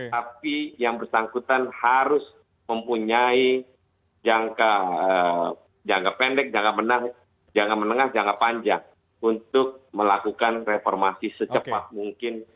tapi yang bersangkutan harus mempunyai jangka pendek jangka menengah jangka panjang untuk melakukan reformasi secepat mungkin